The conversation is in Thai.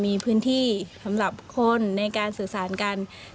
ตามแนวทางศาสตร์พระราชาของในหลวงราชการที่๙